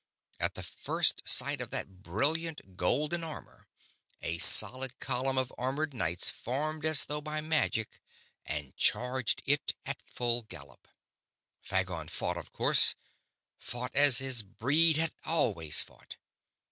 At first sight of that brilliant golden armor a solid column of armored knights formed as though by magic and charged it at full gallop! Phagon fought, of course; fought as his breed had always fought.